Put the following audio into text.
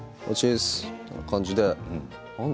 みたいな感じでなんだ